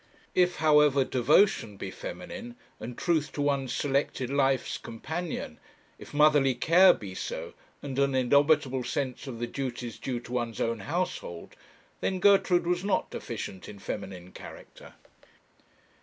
If, however, devotion be feminine, and truth to one selected life's companion, if motherly care be so, and an indomitable sense of the duties due to one's own household, then Gertrude was not deficient in feminine character.